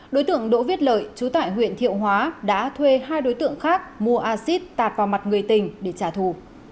đối tượng đỗ viết lợi chú tại huyện thiệu hóa đã thuê hai đối tượng khác mua acid tạt vào mặt người tình để trả thù